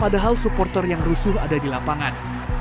padahal supporter yang rusuh ada di lapangan